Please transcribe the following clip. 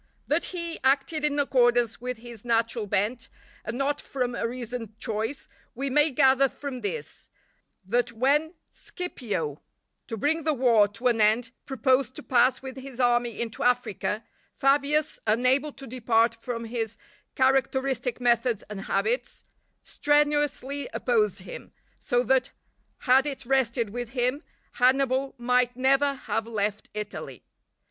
That he acted in accordance with his natural bent, and not from a reasoned choice, we may gather from this, that when Scipio, to bring the war to an end, proposed to pass with his army into Africa, Fabius, unable to depart from his characteristic methods and habits, strenuously opposed him; so that had it rested with him, Hannibal might never have left Italy.